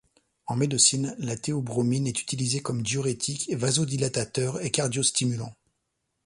En médecine, la théobromine est utilisée comme diurétique, vasodilatateur et cardiostimulant.